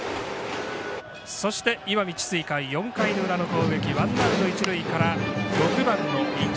そして、石見智翠館４回の裏の攻撃ワンアウト、一塁から６番の伊藤。